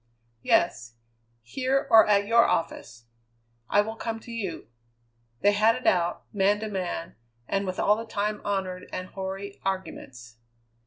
"Yes. Here, or at your office?" "I will come to you." They had it out, man to man, and with all the time honoured and hoary arguments.